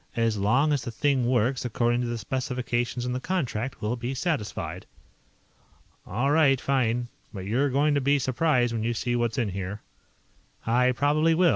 As long as the thing works according to the specifications in the contract, we'll be satisfied." "All right. Fine. But you're going to be surprised when you see what's in here." "I probably will.